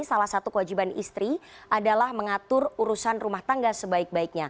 salah satu kewajiban istri adalah mengatur urusan rumah tangga sebaik baiknya